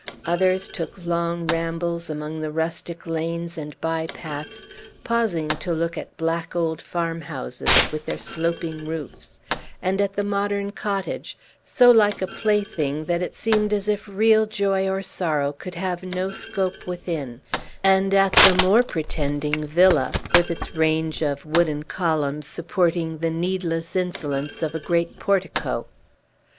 Others took long rambles among the rustic lanes and by paths, pausing to look at black old farmhouses, with their sloping roofs; and at the modern cottage, so like a plaything that it seemed as if real joy or sorrow could have no scope within; and at the more pretending villa, with its range of wooden columns supporting the needless insolence of a great portico.